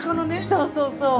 そうそうそう。